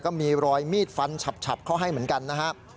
ก็มีรอยมีดฟันฉับเข้าให้เหมือนกันนะครับ